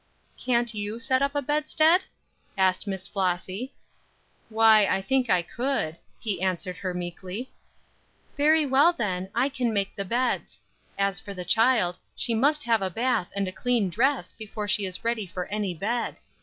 "Can't you set up a bedstead?" asked Miss Flossy. "Why, I think I could," he answered her meekly. "Very well, then, I can make the beds. As for the child, she must have a bath and a clean dress before she is ready for any bed.